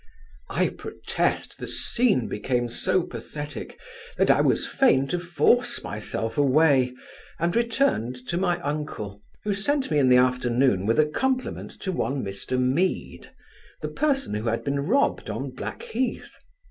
I protest, the scene became so pathetic, that I was fain to force myself away, and returned to my uncle, who sent me in the afternoon with a compliment to one Mr Mead, the person who had been robbed on Black heath.